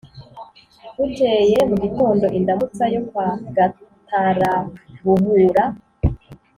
Bukeye mu gitondo indamutsa yo kwa Gatarabuhura